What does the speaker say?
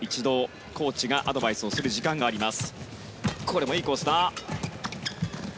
コーチがアドバイスする時間があります。